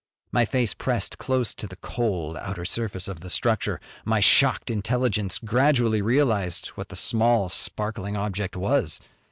My face pressed close to the cold outer surface of the structure, my shocked intelligence gradually realized what that small sparkling object was.